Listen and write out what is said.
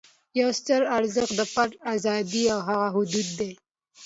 یو ستر ارزښت د فردي آزادۍ هغه حدود دي.